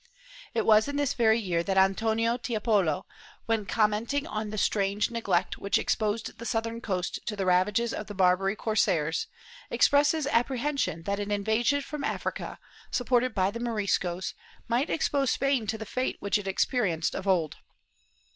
It was in this very year that Antonio Tiepolo, when commenting on the strange neglect which exposed the southern coast to the ravages of the Barbary corsairs, expresses apprehension that an invasion from Africa, supported by the Moriscos, might expose Spain to the fate which it experienced of old.